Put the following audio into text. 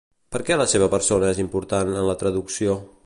Per què la seva persona és important en la traducció?